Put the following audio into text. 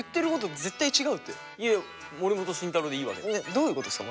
どういうことですか？